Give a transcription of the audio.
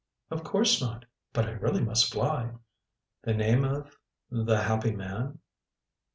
"Of course not. But I really must fly " "The name of the happy man."